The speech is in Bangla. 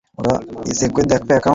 শহরটা শেষ হয়ে যাচ্ছে।